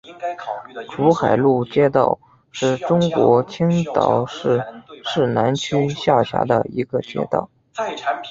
珠海路街道是中国青岛市市南区下辖的一个街道。